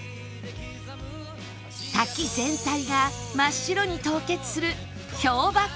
滝全体が真っ白に凍結する氷瀑